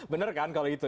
bener kan kalau itu